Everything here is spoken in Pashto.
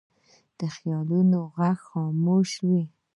د خیالونو غږ خاموش وي